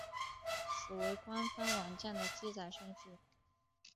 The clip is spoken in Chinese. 此为官方网站的记载顺序。